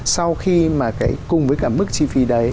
sau khi mà cùng với cả mức chi phí đấy